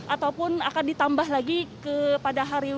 ataupun akan ditambah lagi pada hari